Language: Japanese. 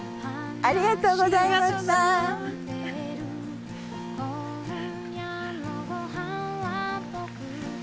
ありがとうございます。